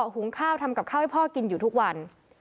หุงข้าวทำกับข้าวให้พ่อกินอยู่ทุกวัน